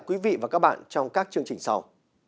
quý vị và các bạn trong các chương trình sau